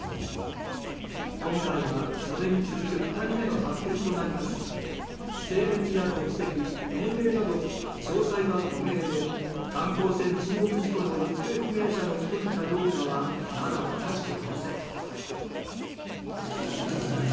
今回はそれに続く２人目の発見となりますが性別や国籍、年齢など詳細は不明で観光船沈没事故の行方不明者の１人かどうかはまだ分かっていません。